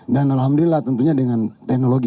dan alhamdulillah tentunya dengan teknologi